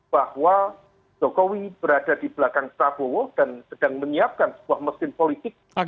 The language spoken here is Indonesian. bahwa jokowi berada di belakang prabowo dan sedang menyiapkan sebuah mesin politik